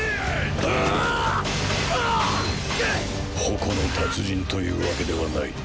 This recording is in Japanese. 矛の達人というわけではない。